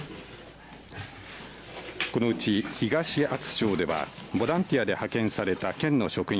このうち東厚保町ではボランティアで派遣された県の職員